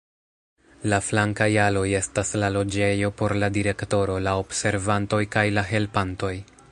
La flankaj aloj estas la loĝejo por la direktoro, la observantoj kaj la helpantoj.